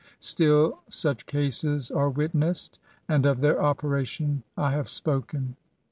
Still, such cases are witnessed ; and of their operation I have spoken.